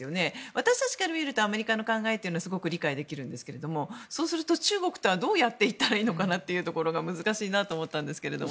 私たちから見るとアメリカの考えはすごく理解できるんですがそうすると中国とはどうやっていったらいいのかなというところが難しいと思ったんですけど。